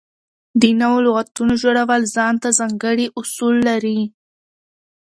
د نوو لغاتونو جوړول ځان ته ځانګړي اصول لري.